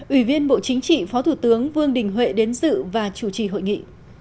ủy viên bộ chính trị phó thủ tướng vương đình huệ đến dự và chủ trì hội nghị